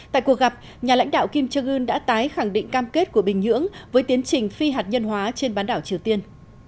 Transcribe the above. trước gặp nhà lãnh đạo kim trương ương đã tái khẳng định cam kết của bình nhưỡng với tiến trình phi hạt nhân hóa trên bán đảo triều tiên